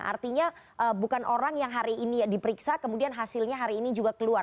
artinya bukan orang yang hari ini diperiksa kemudian hasilnya hari ini juga keluar